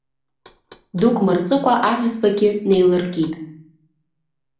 Дук мырҵыкәа аҳәызбагьы неилыркит.